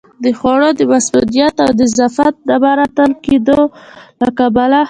د خوړو د مصئونیت او نظافت نه مراعت کېدو له کبله